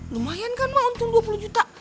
lumayan kan emak untuk dua puluh juta